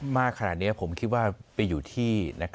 มากขนาดนี้ผมคิดว่าไปอยู่ที่